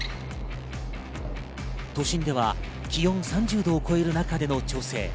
都心では気温３０度を超える中での調整。